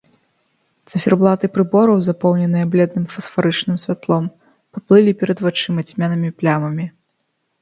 Цыферблаты прыбораў, запоўненыя бледным фасфарычным святлом, паплылі перад вачыма цьмянымі плямамі.